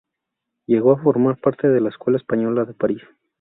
Llegó a formar parte de la Escuela Española de París.